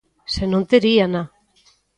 Se non, teríana.